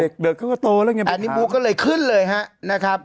เด็กเขาก็โตแล้วไงอันนี้บุ๊กก็เลยขึ้นเลยฮะนะครับ